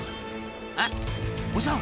えっおじさん